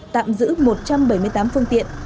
tạm giữ một trăm bảy mươi tám phương tiện